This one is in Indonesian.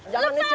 jangan nih cewek